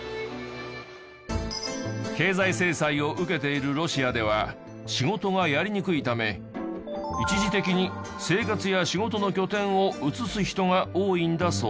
経済制裁を受けているロシアでは仕事がやりにくいため一時的に生活や仕事の拠点を移す人が多いんだそう。